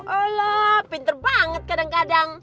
allah pinter banget kadang kadang